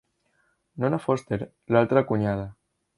Nona Foster - l'altra cunyada.